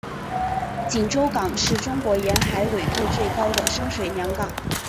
锦州港是中国沿海纬度最高的深水良港。